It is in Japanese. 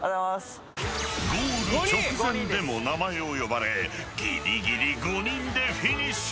［ゴール直前でも名前を呼ばれギリギリ５人でフィニッシュ］